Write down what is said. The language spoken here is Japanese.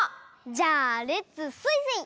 じゃあレッツスイスイ！